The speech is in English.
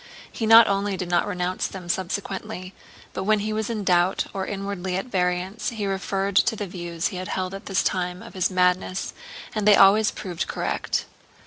He not only did not renounce them subsequently, but when he was in doubt or inwardly at variance, he referred to the views he had held at this time of his madness and they always proved correct.